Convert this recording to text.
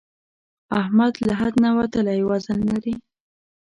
احمد له حد نه وتلی وزن لري.